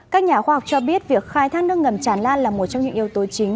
các nhà khoa học cho biết việc khai thác nước ngầm tràn lan là một trong những yếu tố chính